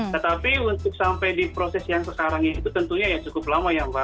tetapi untuk sampai di proses yang sekarang itu tentunya ya cukup lama ya mbak